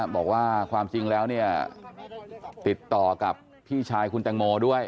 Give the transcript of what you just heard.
บอกว่าความจริงแล้วเนี่ยติดต่อกับพี่ชายคุณแตงโมด้วย